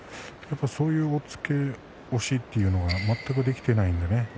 そういう押っつけ押しというのが全くできていないのでね。